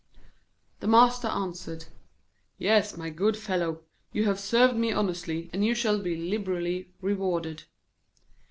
The Miser answered: 'Yes, my good fellow, you have served me honestly, and you shall be liberally rewarded.'